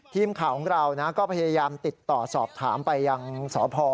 ทีมข่าวของเราก็พยายามติดต่อสอบถามไปยังสพ